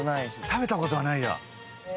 食べた事はないや。